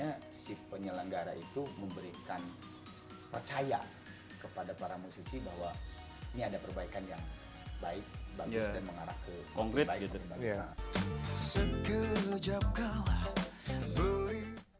karena si penyelenggara itu memberikan percaya kepada para musisi bahwa ini ada perbaikan yang baik dan mengarah ke yang baik